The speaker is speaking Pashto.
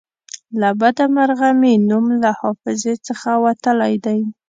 له بده مرغه مې نوم له حافظې څخه وتلی دی.